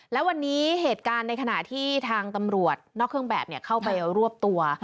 และวันนี้เหตุการณ์ในขณะที่ทางตำรวจนอกเครื่องแบบเข้าไปรวบตัว